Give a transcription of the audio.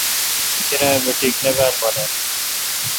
کیرا بی ٹک نہ بال والہ۔